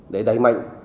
để đẩy mạnh